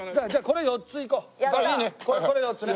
これ４つね。